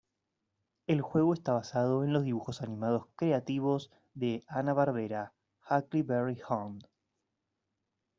El juego está basado en los dibujos animados creativos de Hanna-Barbera: Huckleberry Hound.